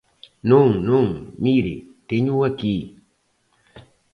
Non, non, mire, téñoo aquí.